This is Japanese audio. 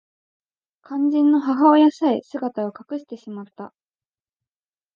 肝心の母親さえ姿を隠してしまった